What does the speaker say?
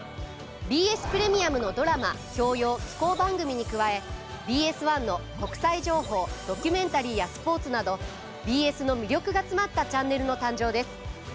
ＢＳプレミアムのドラマ教養紀行番組に加えＢＳ１の国際情報ドキュメンタリーやスポーツなどＢＳの魅力が詰まったチャンネルの誕生です。